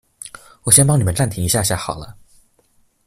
我先幫你們暫停一下下好了